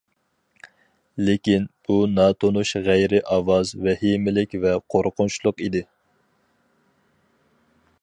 لېكىن، بۇ ناتونۇش غەيرىي ئاۋاز ۋەھىمىلىك ۋە قورقۇنچلۇق ئىدى.